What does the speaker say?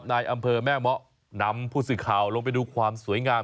ในอำเภอแม่เมาะนำผู้สื่อข่าวลงไปดูความสวยงาม